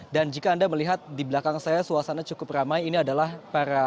dan jika anda melihat di belakang saya suasana cukup ramai ini adalah para